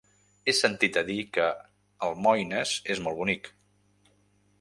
He sentit a dir que Almoines és molt bonic.